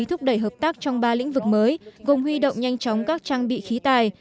tổng thư ký stoltenberg đã thúc đẩy hợp tác trong ba lĩnh vực mới gồm huy động nhanh chóng các trang bị khí tài